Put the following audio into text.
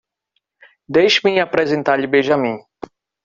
Deixe-me apresentar-lhe Benjamin.